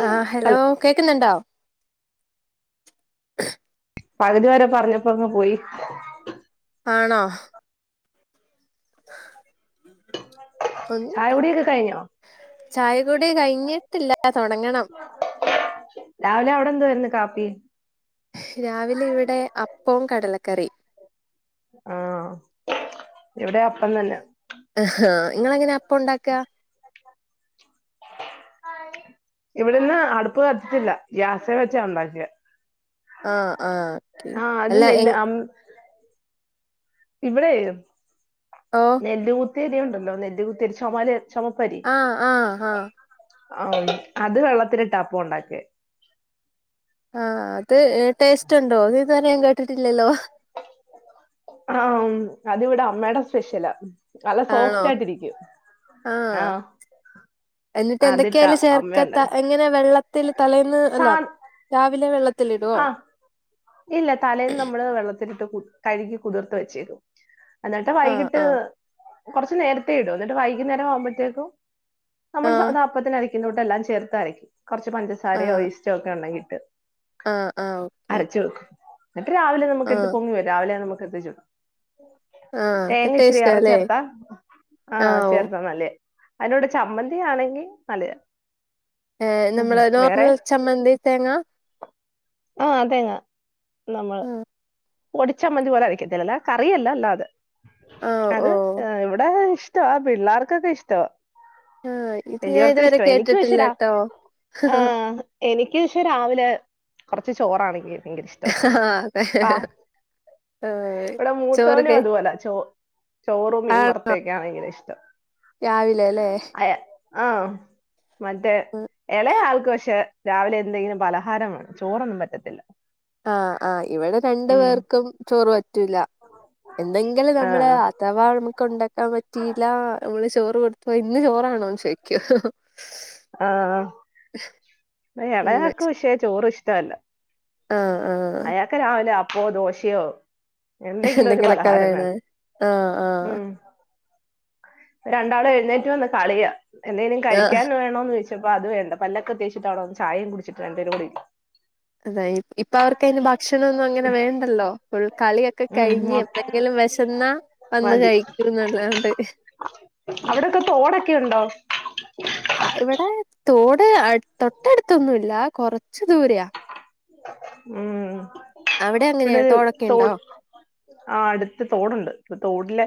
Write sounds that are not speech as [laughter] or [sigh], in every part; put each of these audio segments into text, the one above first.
ആ ഹലോ കേ ക്ക്ന്നുണ്ടോ പകുതി വരെ പറഞ്ഞപ്പറഞ്ഞങ് പോയി ആണോ ഒന്നു ചായ കുടിയൊക്കെ കഴിഞ്ഞോ ചായകൊടി കഴിഞ്ഞിട്ടില്ല തൊടങ്ങണം രാവിലെ അവിടെ എന്തതു വന്ന് കാപ്പി രാവിലെ ഇവിടെ അപ്പം കടലക്കെ ക്കറി ആ ഇവിടെ അപ്പം തന്നെ ആ നിങ്ങ എങ്ങനെ അപ്പ ഉണ്ടാക്ക ഇവിടെന്ന് അടുപ്പ് കത്തിട്ടില്ല ഗ്യാസാ വെച്ചാ ഉണ്ടാക്കിയ ആ ആ ഓക്കെ ആ അത് അല്ല എ നില്ല് അ ഇവിടെ ഓ നെല്ല് കു ത്തിരിയുണ്ടല്ലോ നെല്ല് കുത്തിയരി ചൊമല ആഹ് ആഹ് ആഹ് അത് വെള്ളത്തിലിട്ട അപ്പം ഒണ്ടാക്കിയെ ആ അത് ടേസ്റ്റ് ണ്ടോ അത് ഇത് വരെ ഞാൻ കേട്ടി ട്ടിട്ടില്ലല്ലോ ആ അതിവടെ അമ്മയുടെ സ്പെഷ്യലാ നല്ല ആണോ സോഫ്റ്റ് ആയിട്ടിരിക്കും ആ ആഹ് എന്നിട്ട് അതിട്ടാ എന്തൊക്കെയായാല് ചേർക്ക അമ്മ ഉണ്ടാ തലേ എങ്ങനെ വെള്ളത്തില് തലേന്ന് സാ അല്ലാ രാവിലെ വെള്ളത്തി ത്തിലിടോ ആഹ് ഇല്ല തലേന്ന് നമ്മള് വെള്ള ത്തിലിട്ട് കു കഴുകി കുതിർത്ത് വെച്ചേക്കും എന്നട്ട് ആ വൈകിട്ട് ആ കൊറച്ച് നേരത്തെേ ഇടും ന്നിട്ട് വൈകുന്നേരവാകുമ്പഴത്തേക്കും നമ്മൾ ആ സാധാ അപ്പത്തിനര ക്കുന്ന കൂട്ടെല്ലാം ചേർത്തരക്കും കൊറച്ച് ആ പഞ്ചസാരയോ യീസ്റ്റോ ഒക്കെ ഒണ്ടെങ്കിൽ [unintelligible] ആ ആ ഓക്കെ എന്നിട്ട് രാവിലെ നമ്മക്ക് ആ എടുത്ത് പൊങ്ങി വരുവാ രാവിലെ നമക്ക് അപ്പത്തെ ചുടാം ആ അത് തേങ്ങ ഇച്ചിരി ഏറെ ടേസ്റ്റാല്ലേ ചേർത്താ ആ ഓ അതിൻ്റെ കൂടെ ചമ്മന്തിയാണെങ്കിൽ നല്ലയാ ഏ ഉം നമ്മളെ നോർമൽ ചമ്മന്തി തേങ്ങ ആ തേങ്ങ നമ്മള് പൊടിച്ചമ്മന്തി പോലൊയരക്കത്തില്ല കറിയല്ല അല്ലാതെ ആഹ് അത് ഓഹ് ഇവിടെ ഇഷ് ഇഷ്ടവാ പിള്ളാർക്കൊക്കെ ഇഷ്ടവാ ആഹ് ഇത് ഞാൻ വലിയോർക്കും ഇതുവരെ ഇഷ്ടവാ കേട്ടിട്ടില്ലട്ടോ എനിക്ക് പക്ഷേ രാവിലെ കൊറച്ച് ചോറാണെങ്കി ആ അതെ ആ ആഹ് ഇവടെ ചോറ് മൂത്തോനും കഴ് അതുപോല ചോ ചോറും മീൻ ആണോ വറുത്തയൊക്കെയ ഭയങ്കര ഇഷ്ടം രാവിലെല്ലേ അയാ ആ മറ്റേ എളേ ആൾക്ക്‌ പഷേ രാവിലെ എന്തെങ്കിലും പലഹാരം ചോറൊന്നും പറ്റത്തില്ല ആ ആ ഇവിടെ രണ്ടു ഉം പേർക്കും ചോറ് പറ്റൂല്ല എന്നെങ്കില് ആ നമ്മള് അഥവാ നമക്ക് ഉണ്ടാക്കാൻ പറ്റിയില്ല നമ്മള് ചോറ് കൊടുത്തൊയി ഇന്ന് ചോറാണോന്ന് ചോയ്ക്കും ആ അങ്ങനെ എളയാക്കും ഇഷേ ചോറ് ഇഷ് ഷ്ട അല്ല ആഹ് ആഹ് അയാക്കെ രാവിലെ അ പ്പോ ദോശയോ എന്തെങ്കിലും ഒരു എന്തെങ്കിലൊക്കെ പലഹാരം വേണ് വേണം ആ ആ രണ്ടാള് എഴുന്നേറ്റ് വന്ന് കളിയ എന്തേലും ആഹ് കഴിക്കാൻ വേണോന്ന് പ്പോ അത് വേണ്ട പല്ലൊക്കെ തേച്ചിട്ടാ അവ്ടെ വന്ന് ചായയും കുടിച്ചിട്ട് രണ്ടുപേരു കൂടെ [unintelligible] ഇപ്പൊ അവർക്കയ്ന് ഭക്ഷണൊന്നും അങ്ങനെ വേണ്ടല്ലോ ഫുൾ കളിയൊക്കെ ഉം കഴിഞ്ഞ് മൊ- എന്തെങ്കിലും വിശന്നാ വന്ന് മതി കഴിക്കൂന്നല്ലാണ്ട് അവിടൊക്കെ തോടൊക്കെ ഉണ്ടോ ആ ഇവിടെ തോട് അട് തൊട്ടടുത്തൊന്നുല്ല കൊറച്ച് ദൂരയാ ഉം അവിടെ ങ്ങനെയ ഇവിടെ ഒരു തോടൊക്കെ ണ്ടോ തോട് ആ ടുത്ത് തോടുണ്ട് തോട് ല്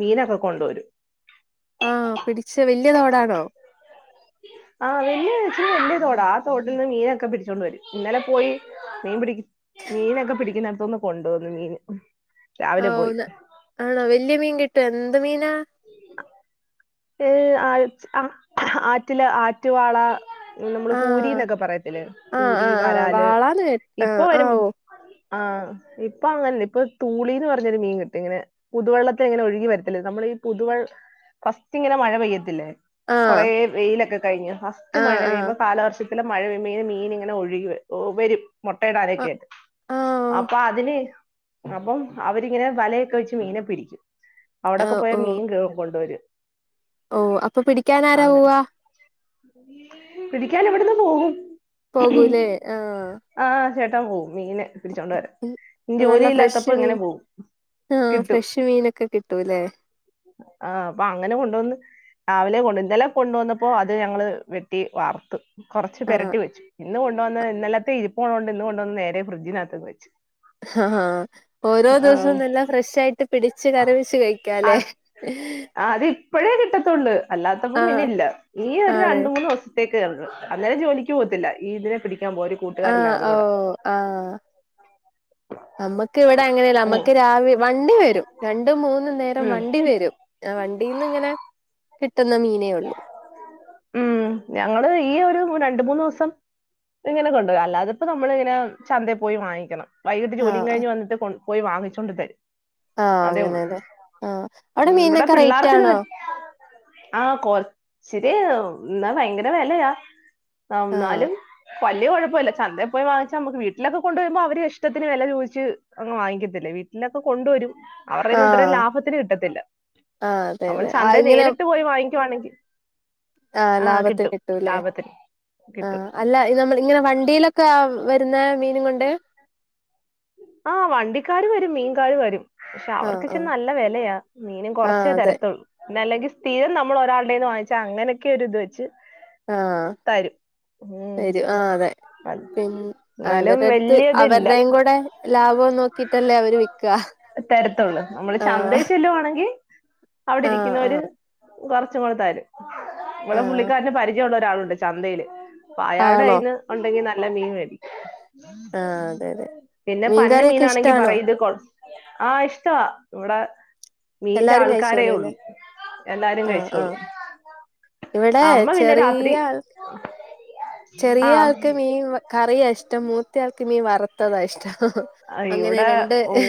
മീനൊക്കെ കൊണ്ടുവരും. ആ പിടിച്ച വല്യ തോടാണോ ആഹ് [unintelligible] വലിയ തൊടാ ആ തോട്ടിൽ നിന്ന് മീനൊക്കെ പിടിച്ചോണ്ട് വരും ഇന്നലെ പോയി മീൻ പിടി മീനൊക്കെ പിടിക്കുന്നോടത്ത്‌ന്ന് കൊണ്ട വന്നു മീന് രാവിലെ ആഹ് പോയി [unintelligible] ആണൊ വല്യ മീൻ കി എന്ത് മീനാ [unintelligible] ആറ്റിലെ ആറ്റുവാള നമ്മള് കൂരി ആഹ് ന്നൊക്കെ പറയത്തില്ലേ ആഹ് കൂരി ആഹ് ആഹ് വരാല് വാളാന്ന് കേ ഇപ്പൊ ആഹ് വരും ആഹ് ഓ ആ ഇപ്പൊ ങ്ങനെ ഇപ്പൊ തൂളിന്ന് പറഞ്ഞരു മീൻ കിട്ടും ഇങ്ങനെ പുതുവെള്ളത്തെ ഇങ്ങനെ ഒഴുകി വരത്തില്ല നമ്മൾ ഈ പുതുവെള്ള് ഫസ്റ്റ് ഇങ്ങനെ മഴ പെയ്യത്തില്ലേ? ആഹ് കൊറെേ വെയിലൊക്കെ കഴിഞ്ഞ് ഫസ്റ്റ് മഴ ആഹ് ആഹ് പെയ്യുമ്പോ കാലവർഷ മഴപെയ്യുമ്പോ മീന് ഇങ്ങനെ ഒഴുകി വര ഒ വരും മൊട്ടയിടാനൊക്കെ ആഹ് ആഹ് അപ്പാ അതിന് അപ്പം അവരിങ്ങനെ വലയൊക്കെ വെച്ച് മീനെ പിടിക്കും അവിടൊക്കെ പോയാ ഓ ആ, ഓ മീൻ ക് കൊണ്ടുവരും. ഓ അപ്പൊ പിടിക്കാനാരാ അങ്ങ പോവാ പിടിക്കാൻ ഇവിടുന്ന് [unintelligible] പോകൂലേ ആ ക്കാ പോവും. മീനെ പിടിച്ചോണ്ട് വരും. നല്ല ജോലിയില്ലാത്തപ്പോ ഫ്രഷ് ഇങ്ങനെ മീൻ പോകും ആഹ് കിട്ടും ഫ്രഷ് മീനൊക്കെ കിട്ടൂല്ലേ ആ അപ്പ കൊണ്ടുവന്ന് രാവിലെ കൊണ്ട ഇന്നലെ കൊണ്ടുവന്നപ്പോ അത് ഞങ്ങള് വെട്ടി വറത്ത് കൊറച്ച് ആഹ് പെരട്ടി വെച്ചു ഇന്ന് കൊണ്ടോന്ന് ഇന്നലത്തെ ഇരി പോണോണ്ട് ഇന്ന് കൊണ്ടോന്ന് നേരെ ഫ്രഡ്ജിനകത്ത് വച്ച് ഓരോ ദിവസവും ആഹ് നെല്ലാം ഫ്രഷ് ആയിട്ട് പിടിച്ച് കറിവച്ച് കഴിക്കാലേ അത് ഇപ്പഴേ കിട്ടത്തൊള്ള് അല്ലാത്തപ്പോ പിന്നെ ആഹ് ഇല്ല ഈ ഒരു ആണ് രണ്ട് മൂന്ന് ദിവസൊ [unintelligible] അന്നേരം ജോലിക്ക് പോകത്തില്ല ഈ ഇതിനെ പിടിക്ക് ആഹ് ഓ ആഹ് നമ്മക്ക് ഇവിടെ അങ്ങനെയല്ല ഉം നമ്മക്ക് രാവി വണ്ടി വെരും രണ്ടും മൂന്നും നേരം വണ്ടി വെരും ആഹ് വണ്ടി ഇന്ന്ങ്ങനെ കിട്ടുന്ന മീനേ ഉള്ളൂ ഉം ഞങ്ങള് ഈ ഒരു രണ്ട് മൂന്ന് ദിവസം ഇങ്ങനെ കൊണ്ടരും അല്ലാതെ ഇപ്പോ നമ്മളിങ്ങനെ ചന്തേ പോയി വാങ്ങിക്കണം വൈകിട്ട് ജോലിം ആഹ് കഴിഞ്ഞ് വന്നിട്ട് കൊണ്ട് പോയി വാങ്ങിച്ചോണ്ട് തരും. ആഹ് അതേ അങ്ങനെ ഉള്ളൂ അതെ ആഹ് അവിടെ ഉം മീനിനൊക്കെ റേറ്റ് ആണോ? ആഹ് കൊ ഇച്ചിരി ഇന്നാ ഭയങ്കര വെലയാ ആ ആഹ് ഇന്നാലും വല്ല്യ കൊഴപ്പല്ല ചന്തേ പോയി വാങ്ങിച്ചാ നമുക്ക് വീട്ടിലൊക്കെ കൊണ്ട് വരുമ്പോ അവര് ഇഷ്ടത്തിന് വെല ചോദിച്ച് അങ്ങ് വാങ്ങിക്കത്തില്ലെ വീട്ടിലൊക്കെ കൊണ്ട് വരും. അവർടെന്ന് ഇത്രയും ആഹ് ലാഭത്തിന് കിട്ടത്തില്ല ആഹ് അതെ നമ്മൾ അതെ ചന്ത ആഹ് ഇങ്ങനെ നേരിട്ട് പോയി വാങ്ങി ക്കുവണെങ്കി ആഹ് ലാഭത്തിന് കിട്ടൂല്ലേ കിട്ടും ആഹ് അല്ല നമ്മൾ ഇങ്ങനെ വണ്ടിയിലൊക്കെ വരുന്ന മീനും കൊണ്ട് ആ വണ്ടിക്കാര് വരും മീൻകാര് വരും പക്ഷെ ആഹ് അവർക്ക്ച്ചെ ആഹ് നല്ല വിലയാ മീനും കുറച്ചേ ആഹ് അതെ തരത്തുള്ളൂ ല്ലെങ്കിൽ സ്ഥിരം നമ്മൾ ഒരാളടേന്ന് വാങ്ങാൽ അങ്ങനൊക്കെ ഒരു ഇത് വെച്ച് ആഹ തരും ഉം തരും ആ അതെ അത് പിന്ന എന്നാലും അവരുടുത്ത് അടുത്ത് വല്യതില്ല അവരുടെയും കൂടെ ടെ ലാഭം നോക്കിട്ടല്ലേ അവര് വിക്കുക തരത്തുള്ളൂ നമ്മള് ആ ചന്തയിൽ ചെല്ലുവാണെങ്കി അവിടെ ഇരിക്കുന്നവര് കുറച്ചും കൊടുത്താലും ഇവിടെ ആഹ് പുള്ളിക്കാരന് പരിചയമുള്ള ഒരാളു ന്റെ ചന്തയില് പായാട ആണോ ഇന്ന് ഒണ്ടെങ്കി ന ല്ലേ നീ വേടി ആഹ് അതെ അതെ പന്ന മീൻകറിയൊക്കെ മീനാണെങ്കി ഇഷ്ടാണോ പറയിത് കോൾ ആഹ് ഇഷ്ടവാ ഇവിടെ മീന്റെ എല്ലാരും ആൾക്കാരേ ഒൾ കഴിച്ചോളൂല്ലേ എല്ലാരും ആഹ് കഴിച്ചോളും ആഹ് ഇവിടെ അമ്മ പിന്നെ ചെറിയ രാത്രി ആൾ ചെറിയ ആഹ് ആൾക്ക് മീൻ വ കറിയാ ഇഷ്ടം മൂത്തയാൾക്ക് മീ വറുത്തതാ ഇഷ്ടം അ അങ്ങനെ ഇവിടെ രണ്ട് ഉം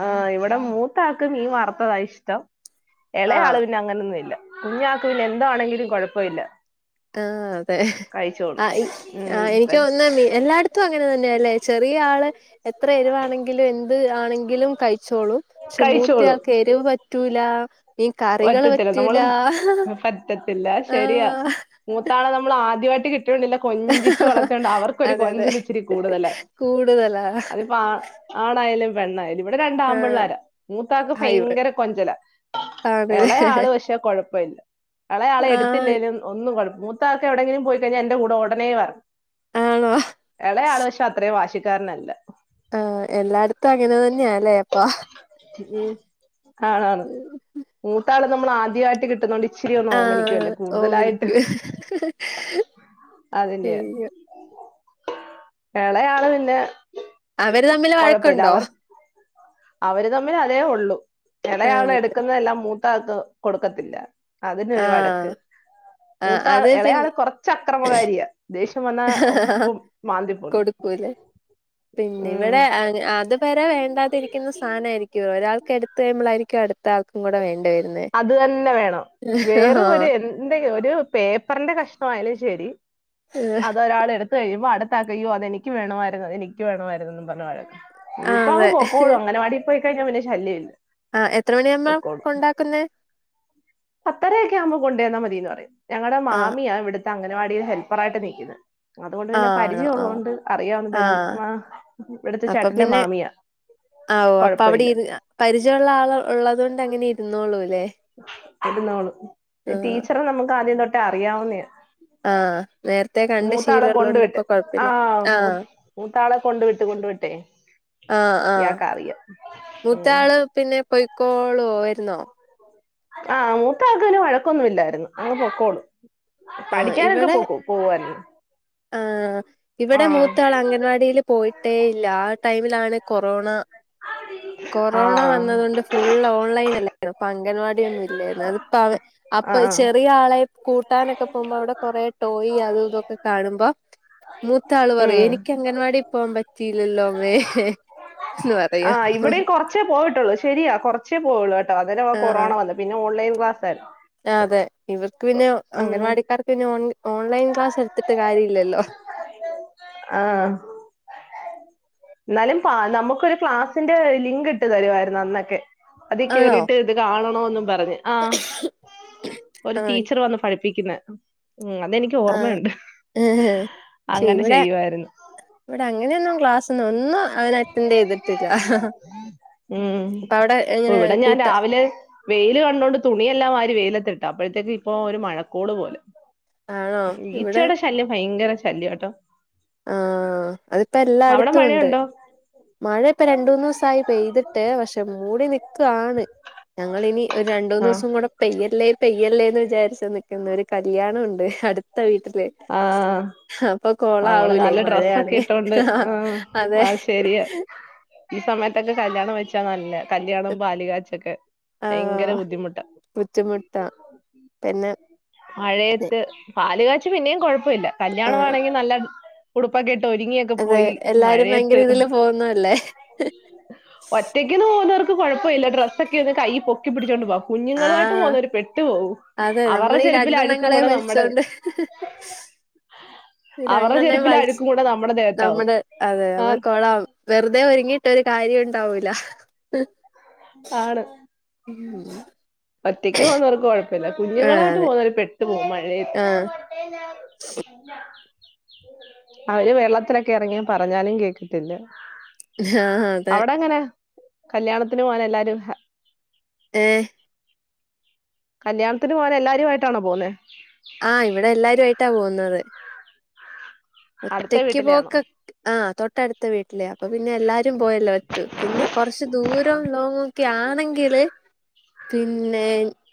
ആ ഇവിടെ മൂത്താക്ക് മീ വറ ത്തതാ ഇഷ്ടം എളേയാള് ആഹ് പിന്നങ്ങനൊന്നും ഇല്ല കുഞ്ഞാക്ക് പിന്നെ എന്താണെങ്കിലും കൊഴപ്പയില്ല ആഹ് തെ അ ഇ ആ എനിക്ക് ഉം ഓന്നെ മി എല്ലായിടത്തും അങ്ങനെ തന്നെയല്ലേ ചെറിയ ആള് എത്ര എരിവാണെങ്കിലും എ ത് ആണെങ്കിലും കൈ ചോളും പക്ഷെ കഴിച്ചോളും മൂത്തയാക്ക് എരിവ് പ റ്റൂലാ ഈ കറികള് പറ്റൂലാ തില്ലാ ശരിയാ മൂത്താളെ നമ്മളാ ദ്യാട്ട് കി ടുണ്ടില്ല കൊഞ്ചിച്ചു വളത്തിയോണ്ട് അവർക്കൊരു അതെ അതെ കൊഞ്ചിലിച്ചിരി കൂടുതലാ കൂടുതലാ അതിപ്പ ആ ആണായാലും പെണ്ണായാലും ഇവിടെ ആഹ് രണ്ടാമ്പിള്ളാര മൂത്താക്ക് ഹൈവ് ഭയിങ്കര കൊഞ്ചലാ ആണ് എളേയാള് പക്ഷേ കൊഴപ്പല്ല എളേയാളെ ആഹ് എടുത്തില്ലേലും ഒന്നും കൊഴ മൂത്താക്ക് എവിടെങ്കിലും പോയി കഴിഞ്ഞാ എന്റെ കൂടെ ഒടനേ വരണം ആണോ എളേയാള് പഷേ അത്രേം വാശി കാർനല്ല ആഹ് എല്ലായിടത്തും അങ്ങനെ തന്നെയാല്ലേ അപ്പൊ മ് ഉം കാണാന്ന്‌ ക്കാളും നമ്മളാദ്യാട്ട് കിട്ടുന്നോണ്ടി ആ ഓമനിക്കും അതിന്റെ ഇളയാള് പിന്നെ അവര് തമ്മില് കുഴപ്പമില്ല വഴക്കുണ്ടോ? അവർ അവര് തമ്മില് അതേ ഉള്ളൂ. ഇളേയാള് എടുക്കുന്നതെല്ലാം മൂ ത്തയാക്കു കൊടുക്കത്തില്ല. അതിനൊരു വഴക്ക് ആഹ് ആഹ് മൂത്താ അത് ഇളയാള് കൊറച്ച് അക്രമകാരിയാ ദേ കൊടുക്കൂല്ലേ പിന്നെ ഇവിടെ ഉം അ അത് വരെ വേണ്ടാതിരിക്കുന്ന സാധനായിരിക്കും ഒരാൾക്ക്‌ എടുത്ത് കഴിയുമ്പോളായിരി ക്കും അടുത്ത ആൾക്കും കൂടെ വേണ്ട വരു അത് തന്നെ വേണം വെറും ഒരു ആഹ് എന്ത്‌ ഒരു പേപ്പറിന്റെ കഷ്ണമായാലും ശെ ശരി അതൊരാൾ എടുത്ത് കഴിയുമ്പോ അടു ത്തയാക്ക്‌ യ്യോ അതെനിക്ക് വേണമായിരുന്നു എനിക്ക് വേണമായിരുന്നന്ന് പറഞ്ഞു വഴക്ക്. ആഹ് ഇനീപ്പോ അങ്ങ് അതെ പൊക്കോളും അംഗണവാടി പോയി കഴിഞ്ഞാ പിന്നെ ശല്യവില്ല. ആ എത്ര മണിയാവുമ്പാ കൊണ്ടാക്കുന്നേ? പത്തരയൊക്കെ ആവുമ്പോ കൊണ്ടു ചെന്നാ മതീന്ന് പറയും. ഞങ്ങടെ ആഹ് മാമിയാ ഇവിടു ത്തെ അംഗണവാടിയിൽ ഹെൽപ്പർ ആയിട്ട് നിക്കുന്നെ. അതുകൊണ്ട് പിന്നെ ആണോ പരിചയം ആഹ് ഒള്ളോണ്ട് അറിയാവുന്നെ ബന്ധ് ആഹ് ഇവിടുത്തെ അപ്പൊ ചേട്ടന്റെ പിന്നെ മാമിയാ ആഹ് ഓഹ് അപ്പൊ അവിടെ കൊഴപ്പയില്ല. ഇരു പരിചയമുള്ള ആള് ഉള്ളത് കൊണ്ട് അങ്ങനെ ഇരുന്നോള്ളൂ ഇരുന്നോളും ആഹ് ടീച്ചറ് നമുക്ക് ആദ്യം തൊട്ട ട്ട് അറിയാവുന്നേയാ. ആഹ് നേരത്തെ കണ്ട് കൊണ്ട് ശീലമള്ളോണ്ട് വിട്ട് ഇപ്പൊ കുഴപ്പില്ല മൂ ആഹ് മൂത്താളെ കൊണ്ട് വിട്ട് കൊണ്ട് വിട്ടേ ആഹ് ആഹ് ഇയാക്ക് അറിയാം ഉം മൂത്താള് പിന്നെ പൊയ്ക്കോളുവോ വരു ന്നോ? ആഹ് മൂത്ത ആക്ക് പിന്നെ വഴക്കൊന്നും ഇല്ലാരുന്നു അങ്ങ് പൊക്കോളും. ആഹ് പഠിക്കാനൊക്കെ ഇവിടെ പോക്ക പോവാരുന്നു. ആഹ്. ഇവിടെ മൂത്തയാൾ അംഗൻവാടിയിൽ പോയി ട്ടേ ഇല്ല ആ ടൈമിലാണ് കൊറോണ കൊറോണ ആഹ് വന്നത് കൊണ്ട് ഫുള്ള് ഓൺലൈൻ അല്ലാരുന്നോ അംഗൻവാടിയൊന്നും ഇൽ [unintelligible] അപ്പൊ ആഹ് ചെറിയ ആളെ കൂട്ടാനൊ ഇവിടെ കുറേ ടോയ് അത് ഇതൊക്കെ കാണുമ്പോ മൂത്താൾ ഉം പറയും എനിക്ക് അംഗൻവാടി പോവാൻ പറ്റില്ലല്ലോമ്മേ ആഹ് ഇവിടേം കൊറച്ചേ പോയിട്ടോള്ളൂ ശെരിയാ കൊറച്ചേ പോയോള്ളു കേട്ടോ അന്നേരവാ കൊറോണ ആഹ് വന്നെ പിന്നെ ഓൺലൈൻ ക്ലാസ്സാരുന്നു അതെ ഇവർ പിന്നെ അംഗനാവാടിക്കാർക്ക് പിന്നെ ഓൺ ഓൺലൈൻ ക്ലാസ് എടുത്തിട്ട് കാര്യവില്ലല്ലോ ആഹ് എന്നാലും പാ നമുക്കൊരു ക്ലാസ്സിന്റെ ലിങ്ക് ഇട്ട് തരുവാരുന്നു അന്നൊക്കെ അതി ആണോ കേറിട്ട് ഇത് കാണണോ പറഞ്ഞ് ആഹ് ഒരു ആഹ് ടീച്ചർ വന്ന് പഠിപ്പിക്കുന്നെ ആമ്മ് ഉം അതെനിക്ക് ആഹ് ഓർമ്മയുണ്ട് പക്ഷെ അങ്ങനെ ചെയ്യുവായിരുന്നു ക്ലാസ്സു ഉം അപ്പ അവിടെ എങ്ങനെ ഇവിടെ ഞാൻ കൂട്ട രാവിലെ വെയിൽ കണ്ടോണ്ട് തുണിയെല്ലാം വാരി വെയില ട്ടപ്പോഴത്തേക്ക് ഇപ്പോ ഒരു മഴക്കോള് പോലെ ആണോ ഈചെട ശല്യം ഭയങ്കര ശല്യാട്ടോ ആ അതിപ്പോ എല്ലായിടത്തും ഉണ്ട് മഴയുണ്ടോ മഴ ഇപ്പ രണ്ട് മൂന്ന് ദിവസമായി പെയ്തിട്ട് പക്ഷെ മൂടി നിക്കുവാണ് ഞങ്ങളിനി ഒരു ആഹ് രണ്ടുന്നൂസും കൂടെ പെയ്യല്ലേ പെയ്യല്ലേന്ന് വിചാരിച്ചു നിൽക്കുന്ന കല്യാണം ഉണ്ട് അടുത്ത വീട്ടില് ആഹ് അപ്പൊ നമ്മള് കൊളാവുലെ നല്ല ഡ്രസ്സൊക്കെ മഴയാണേ ഇട്ടോണ്ട് ആ ആഹ് അതെ [unintelligible] ഈ സമയത്തൊക്കെ കല്യാണം വെച്ചാ നല്ല കല്യാണം പാല് കാച്ചൊക്കെ ഭയങ്കര ആഹ് ബുദ്ധിമുട്ട ബുദ്ധിമുട്ടാ പിന്നെ മഴയത്ത് പാലുക ച്ച് പിന്നേം കുഴപ് പ്പഇ ല്ല ആഹ് കല്യാണവാണെങ്കി നല്ല ഉടുപ്പൊക്കെട് ഒരുങ്ങിയൊക്കെ അതെ പോയി എല്ലാരും മഴയത്ത് ഭയങ്കര ഇതില് പോകുന്നല്ലേ ഒറ്റക്കൊന്ന് പോവുന്നവർ ക് കൊഴപ്പയില്ല ഡ്രസ് ഒക്കെ ഒന്ന് കൈ പൊക്കി പിടിച്ചോണ്ട് പോകാം കുഞ്ഞുങ്ങളുയായിട്ട് ആഹ് പോകുന്നോര് പെട്ടുപോവും അവരടെ ചെരു ഇത്ങ്ങളെ വലിച്ചോണ്ട് അവരുടെ രണ്ടെണ്ണയും ചെരുപ്പിലെ വലിച്ച്‌ അഴുക്കും കൂടെ നമ്മുടെ ദേഹത്താവും നമ്മടെ അതെ ആ അവർ കൊള ആവും വെറുതെ ഒരുങ്ങിയിട്ടൊരുകാര്യവും താവൂലാ ആണ് ഒറ്റയ്ക്ക് പൊന്നവർക്ക് കൊഴ പിന്നെ ആഹ് കുഞ്ഞുങ്ങളായിട്ട് അതെ പോകുന്നത് പെട്ട് ത്ത് മഴയത്ത് ആഹ് അവര് വെള്ളത്തിലൊക്കെ ഇറങ്ങി പറഞ്ഞാലും കേക്കത്തില്ല അതെ അവിടെ എങ്ങനെ കല്യാണത്തിന് പോവനെല്ല ല്ലാരും ഹാ ഏഹ് കല്യാണത്തിന് പോവാൻ എല്ലാരു ആയിട്ടാണോ പോവുന്നേ ആ ഇവിടെ എല്ലാരും ആയിട്ടാ പോ ന്നതെ അടുത്ത ഒറ്റക്ക് വീട്ടിലെയാണോ പോക്കെക് ആ തൊ ട്ട്ടുത്ത വീട് ലെ അപ്പം പിന്നെ എല്ലാരും പോയല്ലോ പറ്റു പിന്നെ കൊറച്ച് ദൂരം ലോങ്ങോക്കെ ആണ് ന്ന്ങ്കില് പിന്നെ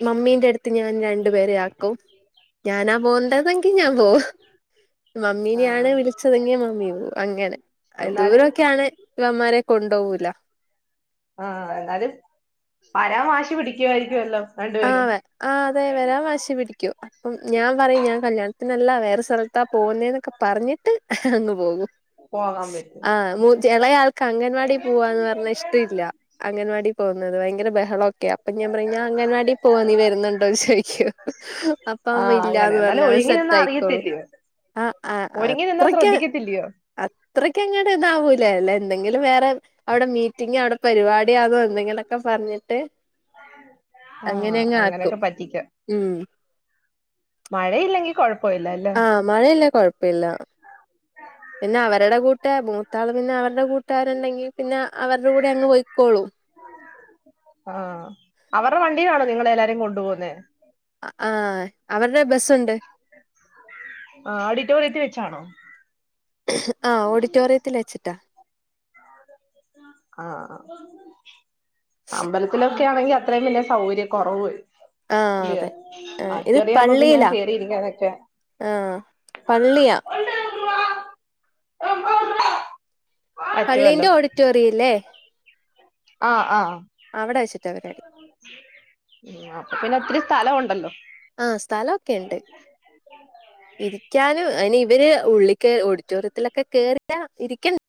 മമ്മീന്റെ എടുത്ത് ഞാൻ ര രണ്ടുപേരെ ആക്കും ഞാനാ പോണ്ടെതെങ്കിൽ ഞാൻ പോവും. ആഹ് ഇങ്ങിനിയാണ് വിളിച്ചതെങ്ങി മമ്മി പോകും അങ്ങനെ എന്നാലും ദൂരൊക്കെയാണ് ഇവന്മാരെ കൊണ്ടുപോവൂല ആ എന്നാലും പരാവാശി ക്ക് പിടിക്കുവായിരിക്കുവെല്ലോ ആ ആ അതെ വെരാൻ വാശി പിടിക്കും അപ്പം ഞാൻ പറയും ഞാൻ കല്യാണത്തിനല്ല വേറെ സ്ഥലം ത്താ പോകുന്നേ എന്നൊക്കെ പറഞ്ഞിട്ട് അങ്ങ് പോകും പോകാൻ പറ്റോ എളയാള് അംഗൻവാടി പോവാന്നു പറഞ്ഞാ ഇഷ്ടയില്ല അംഗൻവാടി പോകുന്നത് ഭയങ്കര ബഹളമൊക്കെയാ അപ്പൊ ഞാൻ പറയും ഞാൻ അംഗൻവാടി പോവാ നീ വരുന്നുണ്ടോ ചോയിക്കും അപ്പ ആഹ് അങ്ങനെ ഇല്ലാന്ന് പറഞ്ഞ എന്നാലും അത് ഒഴുങ്ങി സെറ്റ് നിന്നാ ആയിക്കോളു അറിയത്തില്ലയോ ആ ഒരുങ്ങി നിന്നാ അത്രക്ക് ശ്രദ്ധിക്കത്തില്ലയോ അത്രക്ക് അങ്ങട് ഇതാവൂലല്ല ഞാന് എന്തെങ്കിലും വേറെ അവിടെ മീറ്റിംഗ് അവിടെ പരിപാടി- [unintelligible] യാകും എന്നി ഇങ്ങനെയൊക്കെ പറഞ്ഞിട്ട് ആഹ് അങ്ങനെയങ്ങ് ആക്കും ഉം മഴയില്ലെങ്കിൽ കൊഴപ്പ- ആഹ് മഴയിലേൽ കുഴപ്പമില്ല പിന്നെ അവരുടെ കൂട്ടേ മൂത്താള് പിന്നെ അവരുടെ കൂട്ടേ- കൂട്ടാരുണ്ടെങ്കിൽ- പിന്നെ അവരുടെ കൂടെ അങ്ങ് പോയിക്കോളും ആഹ് അവരുടെ വണ്ടിയിലാണോ നിങ്ങളെ കൊണ്ടു പോകുന്നേ ആഹ് അവരുടെ ബസ്സുണ്ട് ആഹ് ഓഡിറ്റോറിയത്തിൽ വെച്ചാണോ ആഹ് ഓഡിറ്റോറിയത്തിൽ വച്ചിട്ടാ ആഹ് ആ അമ്പലത്തിലൊക്കെ ആണെങ്കിൽ അത്രയും വല്യാ- സൗകര്യ കുറവ് വരും ആഹ്അതെ ആ ഇത് പിന്നെ പള്ളിയിലാ കേറിയിരിക്കാനൊക്കെ ആഹ് പള്ളിയാ പള്ളിന്റെ പറ്റുവല്ലോ ഓഡിറ്റോറിയില്ലേ ആ ആ അവിടെ വെച്ചിട്ട പരിപാടി ഉം അപ്പൊ പിന്നെ ഒത്തിരി സ്ഥലം മുണ്ടല്ലോ ആ സ്ഥലമൊക്കെ ഉണ്ട് ഇരിക്കാനും അതിന് ഇവര് ഉള്ളി- ഓഡിറ്റോറിയത്തിലൊക്കെ- കേറിയ ഇരിക്കാൻ-